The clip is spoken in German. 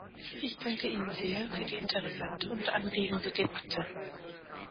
Ich danke Ihnen sehr für die interessante und anregende Debatte.